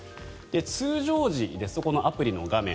通常時、このアプリの画面